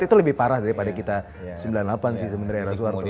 itu lebih parah daripada kita sembilan puluh delapan sih sebenarnya era soeharto ya